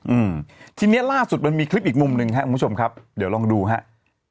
อืมทีเนี้ยล่าสุดมันมีคลิปอีกมุมหนึ่งครับคุณผู้ชมครับเดี๋ยวลองดูฮะ